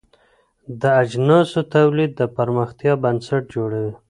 د اجناسو تولید د پرمختیا بنسټ جوړوي.